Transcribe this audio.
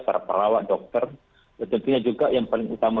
para perawat dokter tentunya juga yang paling utama